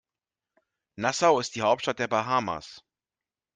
Nassau ist die Hauptstadt der Bahamas.